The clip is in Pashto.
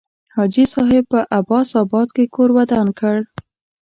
حاجي صاحب په عباس آباد کې کور ودان کړ.